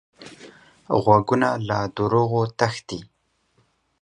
غوږونه له دروغو تښتي